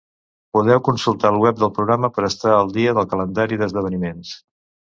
Podeu consultar el web del programa per estar al dia del calendari d'esdeveniments.